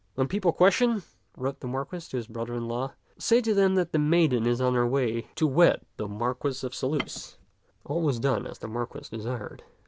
" When people question," wrote the Marquis to his brother in law, " say to them that the maiden is on her way to wed the Marquis of Saluces. All was done as the Marquis desired.